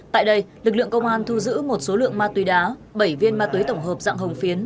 tại đây lực lượng công an thu giữ một số lượng ma túy đá bảy viên ma túy tổng hợp dạng hồng phiến